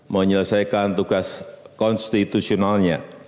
menyelesaikan tugas konstitusionalnya